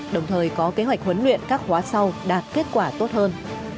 đồng thời có kế hoạch huấn luyện các khóa sau đạt kết quả tốt hơn